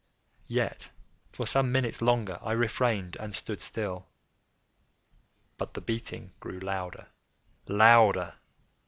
Yet, for some minutes longer I refrained and stood still. But the beating grew louder, louder!